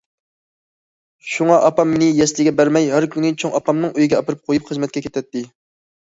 شۇڭا ئاپام مېنى يەسلىگە بەرمەي، ھەر كۈنى چوڭ ئاپامنىڭ ئۆيىگە ئاپىرىپ قويۇپ خىزمەتكە كېتەتتى.